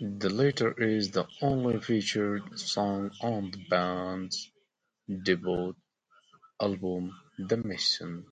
The latter is the only featured song on the band's debut album "The Mission".